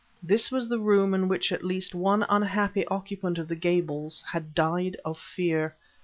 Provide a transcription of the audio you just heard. This was the room in which at least one unhappy occupant of the Gables had died of fear.